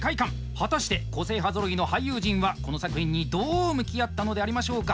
果たして個性派ぞろいの俳優陣はこの作品にどう向き合ったのでありましょうか。